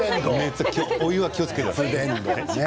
お湯は気をつけてください。